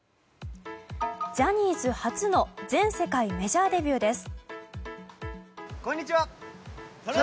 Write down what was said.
ジャニーズ初の全世界メジャーデビューです。